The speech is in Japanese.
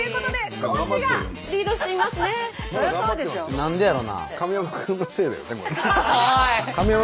何でやろな？